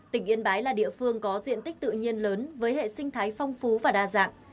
tỉnh yên bái là địa phương có diện tích tự nhiên lớn với hệ sinh thái phong phú và đa dạng